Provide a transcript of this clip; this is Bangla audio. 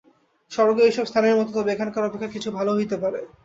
স্বর্গও এইসব স্থানেরই মত, তবে এখানকার অপেক্ষা কিছু ভাল হইতে পারে।